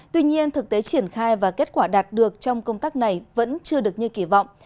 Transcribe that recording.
tuy nhiên thực tế triển khai và kết quả đạt được trong công tác này vẫn chưa được như kỳ vọng